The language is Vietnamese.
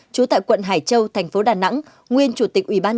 trú tại quận hải châu thành phố đà nẵng nguyên chủ tịch ubnd